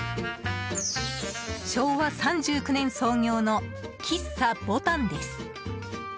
昭和３９年創業の喫茶喫茶ボタンです。